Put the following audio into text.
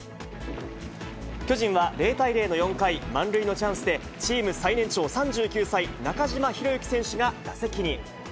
巨人は０対０の４回、満塁のチャンスで、チーム最年長、３９歳、中島宏之選手が打席に。